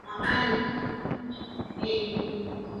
Los grupos no están estructurados y organizados.